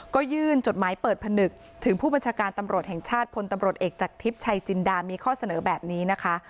ก็ยื่นจดหมายเปิดผนึกถึงผู้บัญชาการตำรวจแห่งชาติพลตำรวจเอกจากทิพย์ชัยจินดามีข้อเสนอแบบนี้นะคะ